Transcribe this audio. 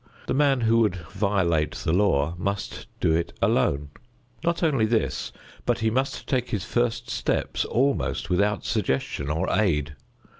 The man who would violate the law must do it alone. Not only this, but he must take his first steps almost without suggestion or aid.